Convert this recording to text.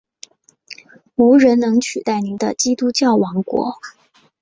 无人能取代您的基督教王国！